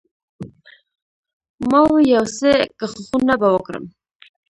ما وې يو څه کښښونه به وکړم.